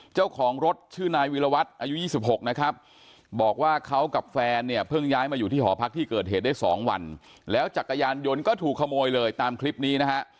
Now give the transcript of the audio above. เจ้าของรถชื่อนายวิรวัตรอายุ๒๖นะครับบอกว่าเขากับแฟนเนี่ยเพิ่งย้ายมาอยู่ที่หอพักที่เกิดเหตุได้๒วันแล้วจักรยานยนต์ก็ถูกขโมยเลยตามคลิปนี้นะฮะ